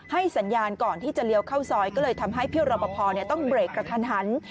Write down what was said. สัญญาณก่อนที่จะเลี้ยวเข้าซอยก็เลยทำให้พี่รอปภต้องเบรกกระทันหัน